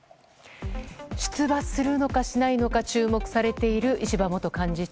出馬するのかしないのか注目されている石破元幹事長。